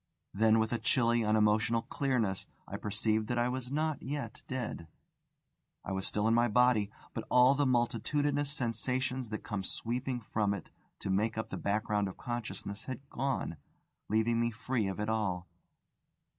Then with a chilly, unemotional clearness, I perceived that I was not yet dead. I was still in my body; but all the multitudinous sensations that come sweeping from it to make up the background of consciousness had gone, leaving me free of it all.